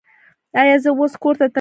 ایا زه اوس کور ته تلی شم؟